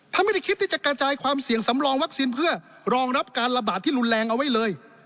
ไม่ได้คิดที่จะกระจายความเสี่ยงสำรองวัคซีนเพื่อรองรับการระบาดที่รุนแรงเอาไว้เลย